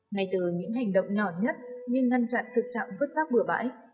ngay từ những hành động nhỏ nhất như ngăn chặn thực trạng vứt rác bừa bãi